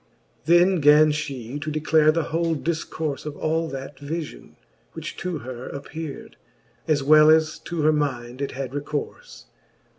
XX. Then gan fhe to declare the whole difcourfe Of all that vifion, which to her appeard. As well as to her minde it had recourfe.